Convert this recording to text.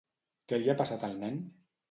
Què li ha passat al nen?